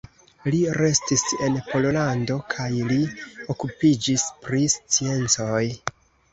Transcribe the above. Li restis en Pollando kaj li okupiĝis pri sciencoj.